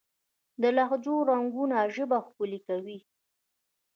د لهجو رنګونه ژبه ښکلې کوي.